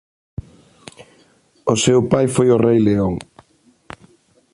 O seu pai foi o rei León.